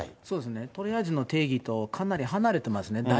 そうですね、トリアージの定義とかなり離れてますね。